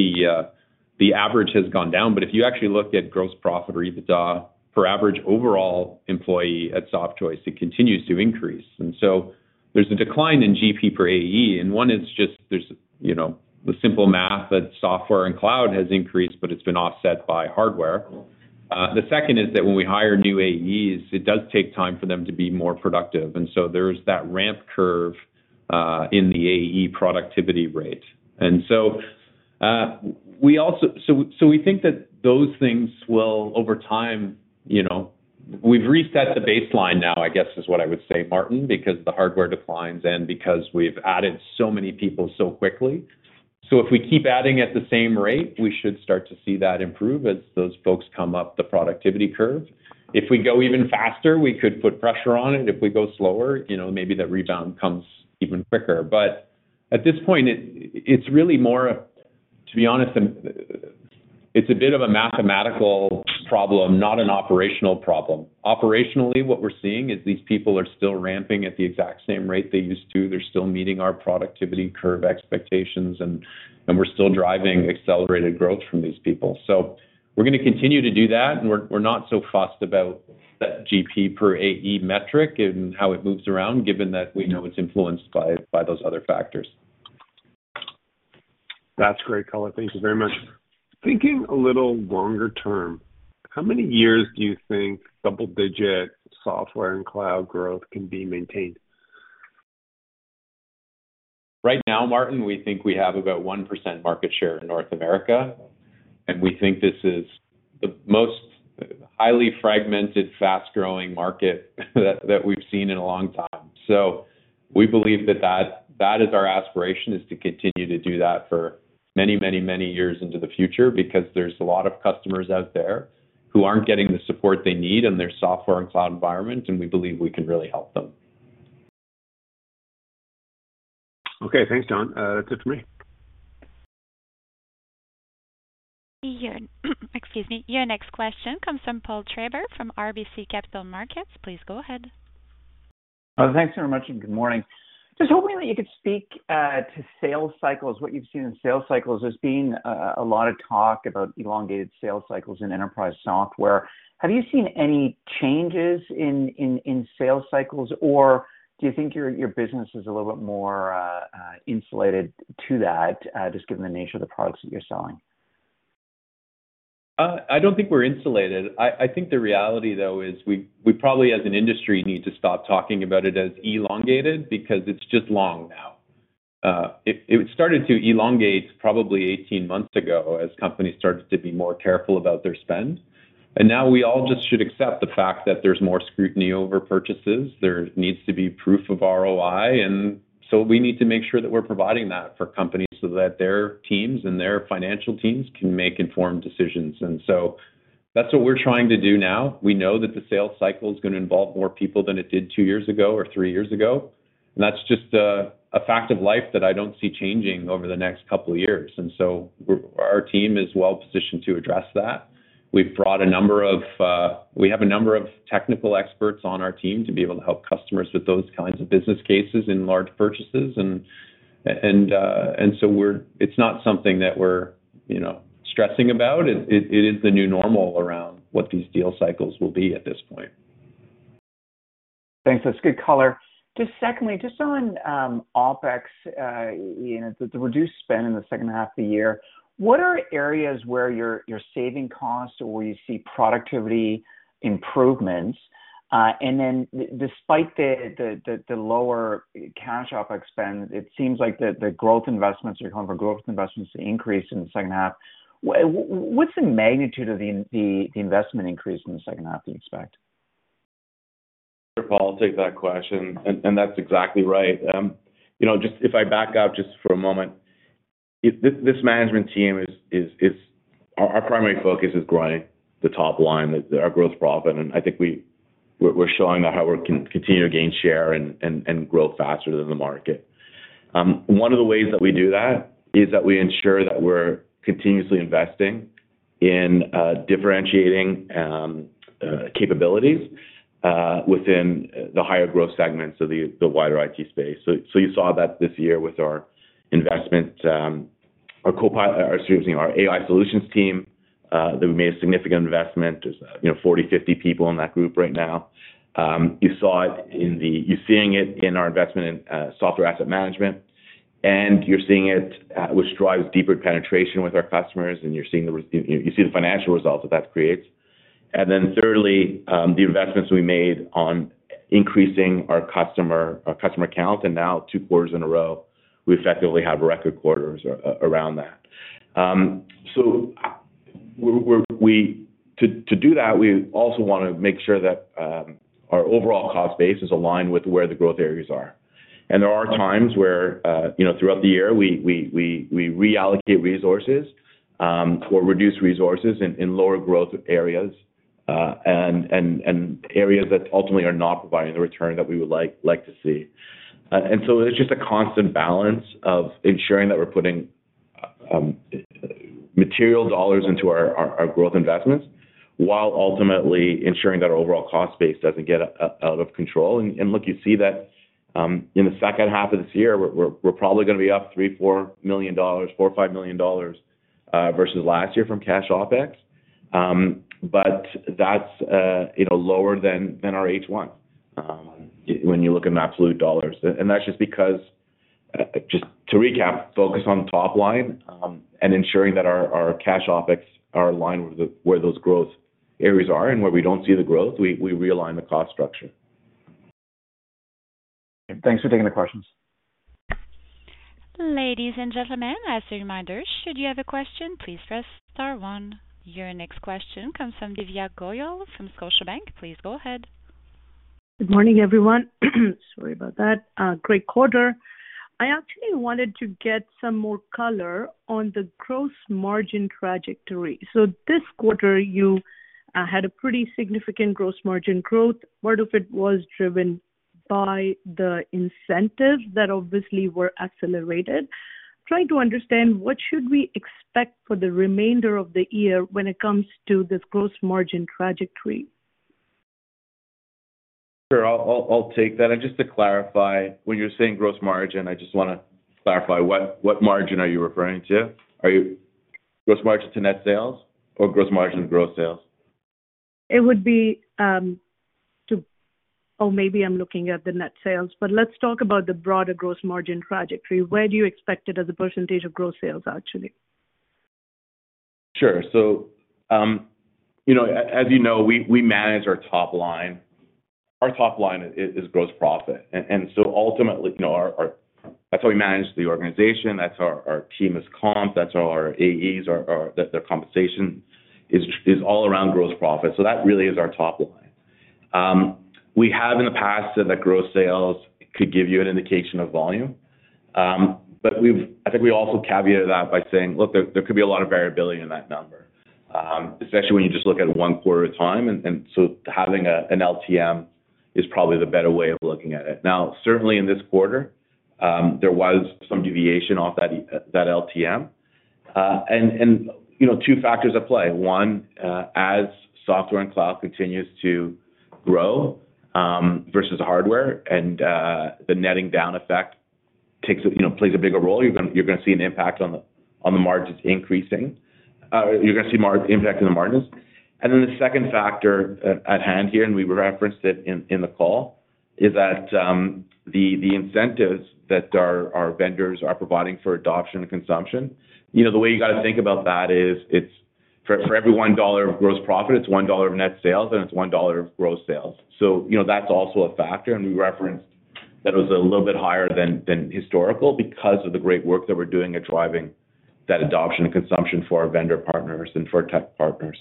the average has gone down, but if you actually look at gross profit or EBITDA for average overall employee at Softchoice, it continues to increase. And so there's a decline in GP per AE, and one is just there's, you know, the simple math that software and cloud has increased, but it's been offset by hardware. The second is that when we hire new AEs, it does take time for them to be more productive, and so there's that ramp curve in the AE productivity rate. And so we also... So, so we think that those things will, over time, you know, we've reset the baseline now, I guess, is what I would say, Martin, because the hardware declines and because we've added so many people so quickly. So if we keep adding at the same rate, we should start to see that improve as those folks come up the productivity curve. If we go even faster, we could put pressure on it. If we go slower, you know, maybe the rebound comes even quicker. But at this point, it's really more a, to be honest, it's a bit of a mathematical problem, not an operational problem. Operationally, what we're seeing is these people are still ramping at the exact same rate they used to. They're still meeting our productivity curve expectations, and we're still driving accelerated growth from these people. So we're gonna continue to do that, and we're not so fussed about that GP per AE metric and how it moves around, given that we know it's influenced by those other factors. That's great color. Thank you very much. Thinking a little longer term, how many years do you think double-digit software and cloud growth can be maintained? Right now, Martin, we think we have about 1% market share in North America, and we think this is the most highly fragmented, fast-growing market that we've seen in a long time. So we believe that is our aspiration, is to continue to do that for many, many, many years into the future, because there's a lot of customers out there who aren't getting the support they need in their software and cloud environment, and we believe we can really help them. Okay. Thanks, John. That's it for me. Your, excuse me, your next question comes from Paul Treiber from RBC Capital Markets. Please go ahead.... Well, thanks very much, and good morning. Just hoping that you could speak to sales cycles, what you've seen in sales cycles. There's been a lot of talk about elongated sales cycles in enterprise software. Have you seen any changes in sales cycles, or do you think your business is a little bit more insulated to that, just given the nature of the products that you're selling? I don't think we're insulated. I think the reality, though, is we probably, as an industry, need to stop talking about it as elongated because it's just long now. It started to elongate probably 18 months ago, as companies started to be more careful about their spend. And now we all just should accept the fact that there's more scrutiny over purchases. There needs to be proof of ROI, and so we need to make sure that we're providing that for companies so that their teams and their financial teams can make informed decisions. And so that's what we're trying to do now. We know that the sales cycle is gonna involve more people than it did 2 years ago or 3 years ago, and that's just a fact of life that I don't see changing over the next couple of years. Our team is well positioned to address that. We have a number of technical experts on our team to be able to help customers with those kinds of business cases in large purchases. It's not something that we're, you know, stressing about. It is the new normal around what these deal cycles will be at this point. Thanks. That's good color. Just secondly, just on OpEx, you know, the reduced spend in the second half of the year, what are areas where you're saving costs or where you see productivity improvements? And then despite the lower cash OpEx spend, it seems like the growth investments, your home for growth investments increase in the second half. What's the magnitude of the investment increase in the second half do you expect? Paul, I'll take that question. That's exactly right. You know, just if I back up just for a moment, this management team is. Our primary focus is growing the top line, is our gross profit, and I think we're showing that how we're continue to gain share and grow faster than the market. One of the ways that we do that is that we ensure that we're continuously investing in differentiating capabilities within the higher growth segments of the wider IT space. You saw that this year with our investment, our AI solutions team, that we made a significant investment. There's, you know, 40, 50 people in that group right now. You saw it in the-- you're seeing it in our investment in software asset management, and you're seeing it, which drives deeper penetration with our customers, and you see the financial results that that creates. And then thirdly, the investments we made on increasing our customer count, and now two quarters in a row, we effectively have record quarters around that. To do that, we also want to make sure that our overall cost base is aligned with where the growth areas are. And there are times where, you know, throughout the year, we reallocate resources or reduce resources in lower growth areas, and areas that ultimately are not providing the return that we would like to see. So it's just a constant balance of ensuring that we're putting material dollars into our growth investments, while ultimately ensuring that our overall cost base doesn't get out of control. And look, you see that in the second half of this year, we're probably gonna be up $3-$4 million, $4-$5 million versus last year from cash OpEx. But that's, you know, lower than our H1 when you look in absolute dollars. And that's just because, just to recap, focus on top line and ensuring that our cash OpEx are aligned with where those growth areas are, and where we don't see the growth, we realign the cost structure. Thanks for taking the questions. Ladies and gentlemen, as a reminder, should you have a question, please press star one. Your next question comes from Divya Goyal from Scotiabank. Please go ahead. Good morning, everyone. Sorry about that. Great quarter. I actually wanted to get some more color on the gross margin trajectory. So this quarter, you had a pretty significant gross margin growth. Part of it was driven by the incentives that obviously were accelerated. Trying to understand, what should we expect for the remainder of the year when it comes to this gross margin trajectory? Sure. I'll take that. And just to clarify, when you're saying gross margin, I just wanna clarify, what margin are you referring to? Are you... Gross margin to net sales or gross margin to gross sales? It would be. Oh, maybe I'm looking at the net sales, but let's talk about the broader gross margin trajectory. Where do you expect it as a percentage of gross sales, actually? Sure. So, you know, as you know, we manage our top line. Our top line is gross profit. And so ultimately, you know, our... That's how we manage the organization, that's our team is comp, that's our AEs, our that their compensation is all around gross profit. So that really is our top line. We have in the past said that gross sales could give you an indication of volume. But we've, I think we also caveat that by saying, "Look, there could be a lot of variability in that number," especially when you just look at one quarter at a time. And so having an LTM is probably the better way of looking at it. Now, certainly in this quarter, there was some deviation off that LTM. You know, two factors at play. One, as software and cloud continues to grow, versus hardware and the netting down effect takes, you know, plays a bigger role, you're gonna, you're gonna see an impact on the, on the margins increasing. You're gonna see impact in the margins. And then the second factor at hand here, and we referenced it in the call, is that, the incentives that our vendors are providing for adoption and consumption. You know, the way you gotta think about that is, it's for every $1 of gross profit, it's $1 of net sales, and it's $1 of gross sales. So, you know, that's also a factor, and we referenced that it was a little bit higher than historical because of the great work that we're doing at driving that adoption and consumption for our vendor partners and for our tech partners.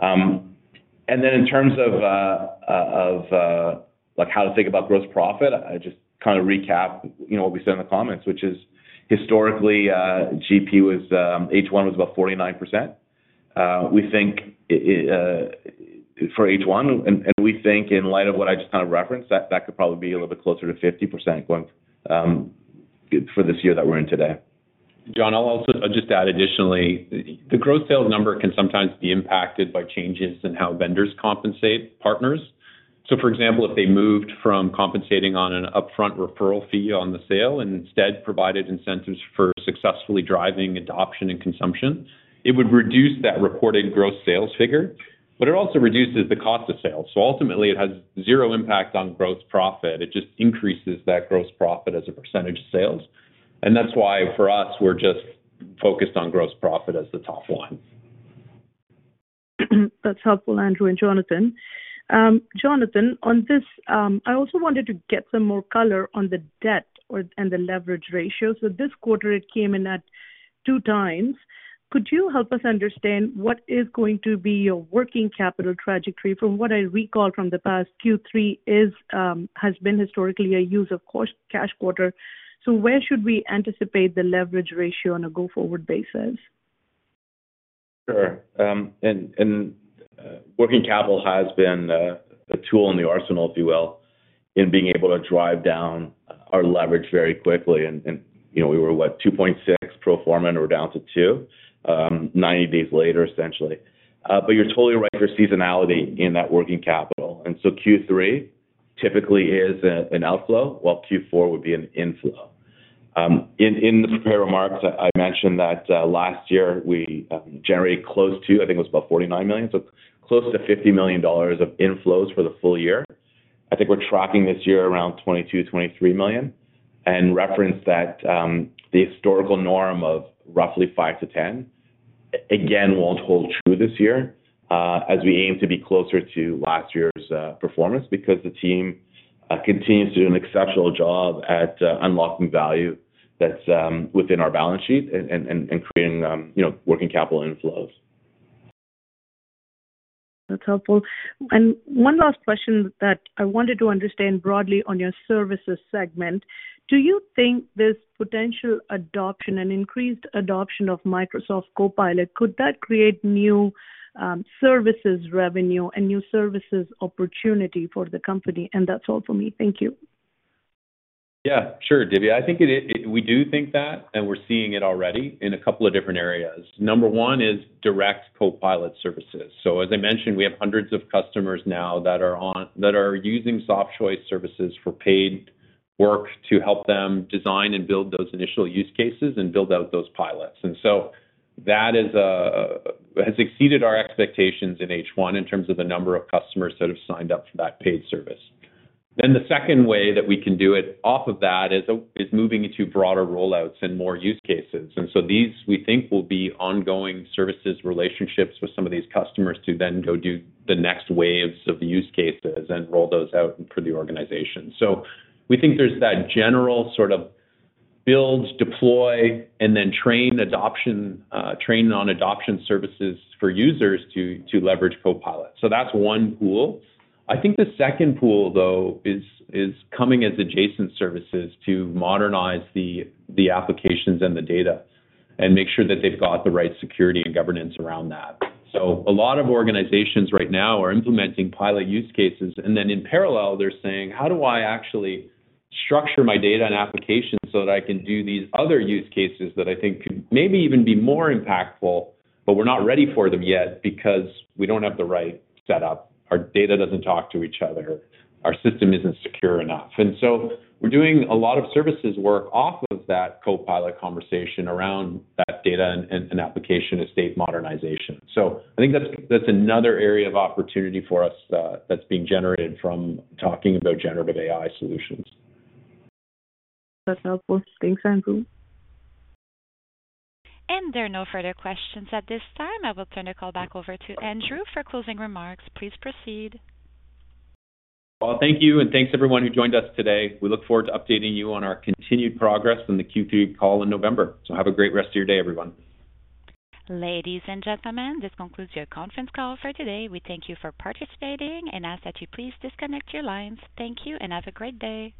And then in terms of, like, how to think about gross profit, I just kinda recap, you know, what we said in the comments, which is historically, GP was, H1 was about 49%. We think, for H1, and we think in light of what I just kind of referenced, that, that could probably be a little bit closer to 50% going, for this year that we're in today. John, I'll also just add additionally, the gross sales number can sometimes be impacted by changes in how vendors compensate partners. So for example, if they moved from compensating on an upfront referral fee on the sale and instead provided incentives for successfully driving adoption and consumption, it would reduce that reported gross sales figure, but it also reduces the cost of sales. So ultimately, it has zero impact on gross profit. It just increases that gross profit as a percentage of sales. And that's why, for us, we're just focused on gross profit as the top line. That's helpful, Andrew and Jonathan. Jonathan, on this, I also wanted to get some more color on the debt or, and the leverage ratios. So this quarter, it came in at 2x. Could you help us understand what is going to be your working capital trajectory? From what I recall from the past Q3 is, has been historically a use of cash quarter. So where should we anticipate the leverage ratio on a go-forward basis? Sure. Working capital has been a tool in the arsenal, if you will, in being able to drive down our leverage very quickly. You know, we were, what? 2.6 pro forma, and we're down to 2 90 days later, essentially. But you're totally right for seasonality in that working capital. And so Q3 typically is an outflow, while Q4 would be an inflow. In the prepared remarks, I mentioned that last year we generated close to, I think it was about $49 million, so close to $50 million of inflows for the full year. I think we're tracking this year around 22-23 million, and reference that, the historical norm of roughly 5-10 million, again, won't hold true this year, as we aim to be closer to last year's, performance. Because the team continues to do an exceptional job at unlocking value that's within our balance sheet and creating, you know, working capital inflows. That's helpful. And one last question that I wanted to understand broadly on your services segment. Do you think this potential adoption and increased adoption of Microsoft Copilot, could that create new, services revenue and new services opportunity for the company? And that's all for me. Thank you. Yeah, sure, Divya. I think it is... We do think that, and we're seeing it already in a couple of different areas. Number one is direct Copilot services. So as I mentioned, we have hundreds of customers now that are using Softchoice services for paid work to help them design and build those initial use cases and build out those pilots. And so that is, has exceeded our expectations in H1 in terms of the number of customers that have signed up for that paid service. Then the second way that we can do it, off of that, is moving into broader rollouts and more use cases. And so these, we think, will be ongoing services relationships with some of these customers to then go do the next waves of the use cases and roll those out for the organization. So we think there's that general sort of build, deploy, and then train on adoption services for users to leverage Copilot. So that's one pool. I think the second pool, though, is coming as adjacent services to modernize the applications and the data and make sure that they've got the right security and governance around that. So a lot of organizations right now are implementing pilot use cases, and then in parallel, they're saying: "How do I actually structure my data and application so that I can do these other use cases that I think could maybe even be more impactful, but we're not ready for them yet because we don't have the right setup, our data doesn't talk to each other, our system isn't secure enough?" And so we're doing a lot of services work off of that Copilot conversation around that data and application and state modernization. So I think that's another area of opportunity for us that's being generated from talking about generative AI solutions. That's helpful. Thanks, Andrew. There are no further questions at this time. I will turn the call back over to Andrew for closing remarks. Please proceed. Well, thank you, and thanks to everyone who joined us today. We look forward to updating you on our continued progress in the Q3 call in November. So have a great rest of your day, everyone. Ladies and gentlemen, this concludes your conference call for today. We thank you for participating and ask that you please disconnect your lines. Thank you, and have a great day.